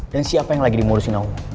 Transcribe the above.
dan siapa yang lagi dimurusin naomi